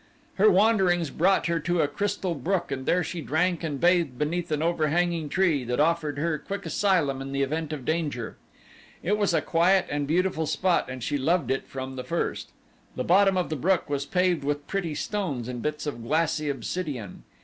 Her wanderings brought her to a crystal brook and there she drank and bathed beneath an overhanging tree that offered her quick asylum in the event of danger. It was a quiet and beautiful spot and she loved it from the first. The bottom of the brook was paved with pretty stones and bits of glassy obsidian.